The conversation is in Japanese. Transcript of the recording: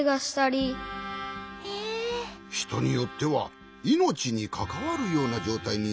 ひとによってはいのちにかかわるようなじょうたいになることもあるんじゃ。